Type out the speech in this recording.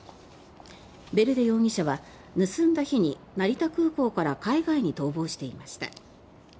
ヴェルデ容疑者は盗んだ日に成田空港から海外に逃亡していました。